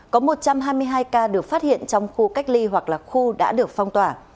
có một trăm hai mươi hai ca được phát hiện trong khu cách ly hoặc là khu đã được phong tỏa